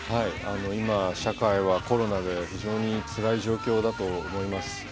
今、社会はコロナで非常につらい状況だと思います。